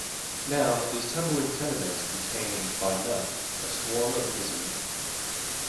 Now, these tumbling tenements contain, by night, a swarm of misery.